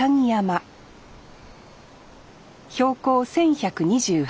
標高１，１２８ｍ。